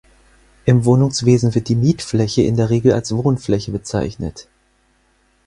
Im Wohnungswesen wird die Mietfläche in der Regel als Wohnfläche bezeichnet.